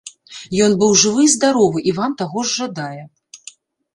Ён быў жывы і здаровы, і вам таго ж жадае.